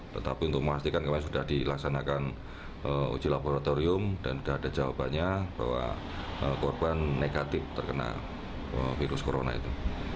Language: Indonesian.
tetapi untuk memastikan kemarin sudah dilaksanakan uji laboratorium dan sudah ada jawabannya bahwa korban negatif terkena virus corona itu